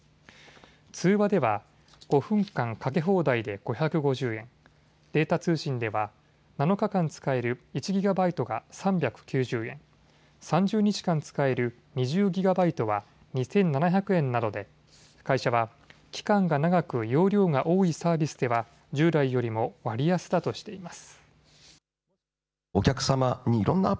通話では５分間かけ放題で５５０円、データ通信では７日間使える１ギガバイトが３９０円、３０日間使える２０ギガバイトは２７００円などで会社は期間が長く容量が多いサービスでは従来よりも割安だとしています。